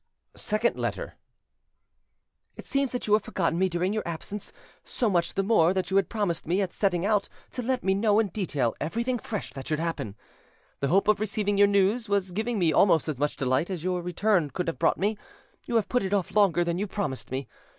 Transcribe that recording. SECOND LETTER "It seems that you have forgotten me during your absence, so much the more that you had promised me, at setting out, to let me know in detail everything fresh that should happen. The hope of receiving your news was giving me almost as much delight as your return could have brought me: you have put it off longer than you promised me.